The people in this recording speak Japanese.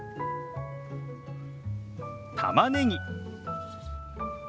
たまねぎ。